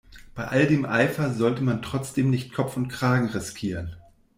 Bei all dem Eifer sollte man trotzdem nicht Kopf und Kragen riskieren.